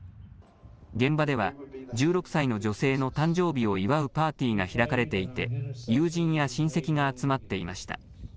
現場では１６歳の女性の誕生日を祝うパーティーが開かれていて友人や親戚が集まっていました。